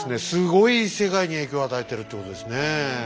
すごい世界に影響与えてるってことですね。